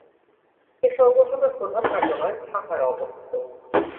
এ সংগঠনের প্রধান কার্যালয় ঢাকায় অবস্থিত।